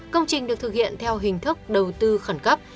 công trình được thực hiện theo hình thức đầu tư khẩn cấp